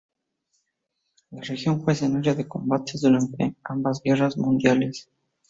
La región fue escenario de combates durante ambas guerras mundiales.